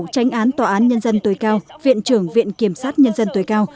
tranh án tòa án nhân dân tuổi cao viện trưởng viện kiểm sát nhân dân tuổi cao